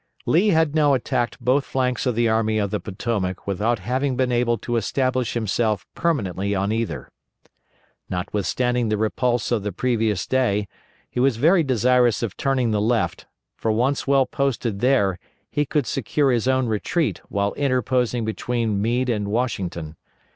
Lee had now attacked both flanks of the Army of the Potomac without having been able to establish himself permanently on either. Notwithstanding the repulse of the previous day he was very desirous of turning the left, for once well posted there he could secure his own retreat while interposing between Meade and Washington.